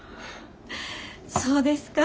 そうですか。